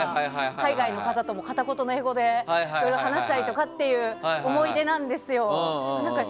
海外の方とも片言の英語でいろいろ話したりとかっていう思い出なんですよ。